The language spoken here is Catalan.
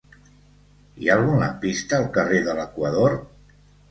Hi ha algun lampista al carrer de l'Equador?